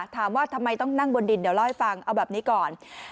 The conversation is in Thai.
ถามว่าทำไมต้องนั่งบนดินเดี๋ยวเล่าให้ฟังเอาแบบนี้ก่อน